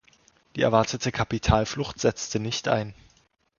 Die erwartete Kapitalflucht setzte nicht ein.